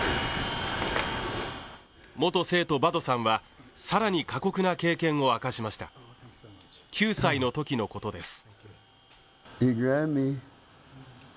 元生徒バドさんはさらに過酷な経験を明かしました９歳の時のことです